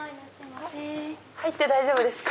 入って大丈夫ですか？